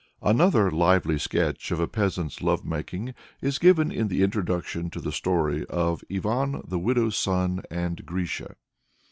Another lively sketch of a peasant's love making is given in the introduction to the story of "Ivan the widow's son and Grisha."